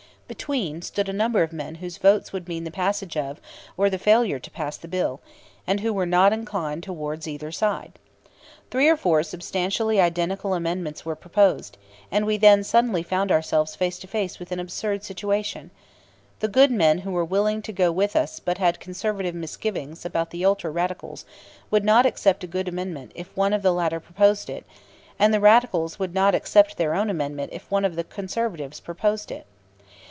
Between stood a number of men whose votes would mean the passage of, or the failure to pass, the bill, and who were not inclined towards either side. Three or four substantially identical amendments were proposed, and we then suddenly found ourselves face to face with an absurd situation. The good men who were willing to go with us but had conservative misgivings about the ultra radicals would not accept a good amendment if one of the latter proposed it; and the radicals would not accept their own amendment if one of the conservatives proposed it.